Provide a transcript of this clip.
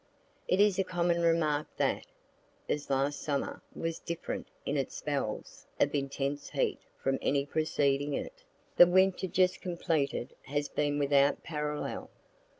It is a common remark that (as last summer was different in its spells of intense heat from any preceding it,) the winter just completed has been without parallel.